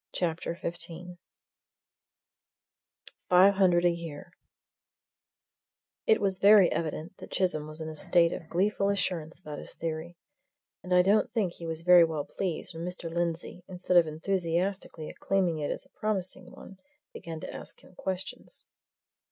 CHAPTER XV FIVE HUNDRED A YEAR It was very evident that Chisholm was in a state of gleeful assurance about his theory, and I don't think he was very well pleased when Mr. Lindsey, instead of enthusiastically acclaiming it as a promising one, began to ask him questions.